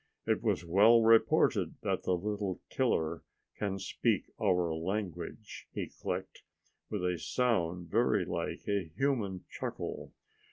"It was well reported that the little killer can speak our language," he clicked, with a sound very like a human chuckle.